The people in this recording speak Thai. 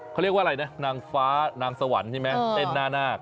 เขาเรียกว่าอะไรนะนางฟ้านางสวรรค์ใช่ไหมเต้นหน้านาค